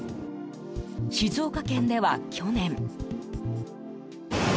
静岡県では、去年。